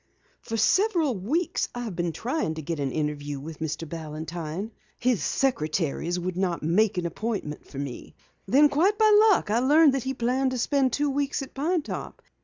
"For several weeks I have been trying to get an interview with Mr. Balantine. His secretaries would not make an appointment for me. Then quite by luck I learned that he planned to spend two weeks at Pine Top.